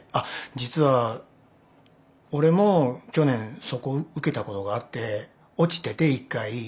実は俺も去年そこを受けたことがあって落ちてて一回。